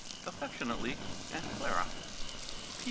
"Affectionately, "Aunt Clara. "P.